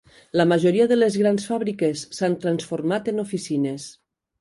La majoria de les grans fàbriques s'han transformat en oficines.